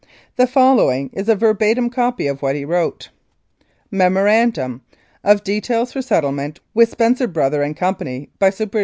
The following is a verbatim copy of what he wrote : "MEMORANDUM of details for settlement with Spencer Bros, and Co., by Supt.